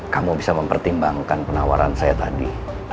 kamu bisa mempertimbangkan penawaran saya tadi